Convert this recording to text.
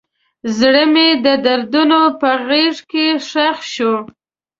زړه مې د دردونو په غیږ کې ښخ شو.